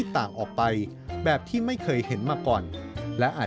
แต่ว่า